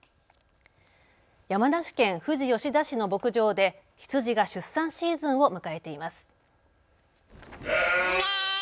山梨県富士吉田市の牧場で羊が出産シーズンを迎えています。